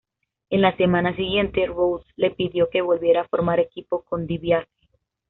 En la semana siguiente, Rhodes le pidió que volviera a formar equipo con DiBiase.